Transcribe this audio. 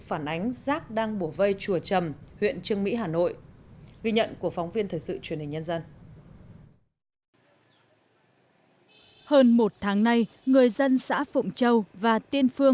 phản ánh rác đang bổ vây chùa trầm